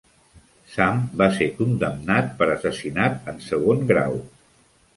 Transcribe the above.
Sam va ser condemnat per assassinat en segon grau.